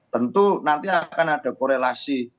tentu nanti akan ada korelasi